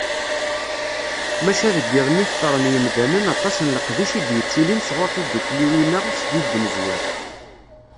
Maca deg yiḍ mi fetren yimdanen, aṭas n leqdic i d-yettilin sɣur tiddukkliwin-a iseg i d-nezwar.